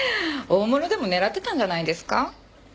大物でも狙ってたんじゃないですか？